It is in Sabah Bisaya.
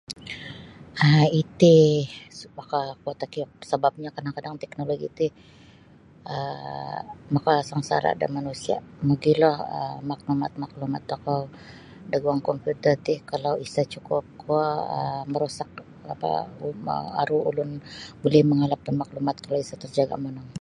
um Iti makakuo takiuk sebapnyo kadang-kadang teknoloji ti um makasangsara da manusia mogilo um maklumat-maklumat tokou da guang komputer ti kalau isa cukup kuo marusak aru ulun buli mangalap da maklumat kalau isa' terjaga monong.